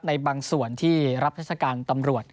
ในบางส่วนที่รับราชการตำรวจ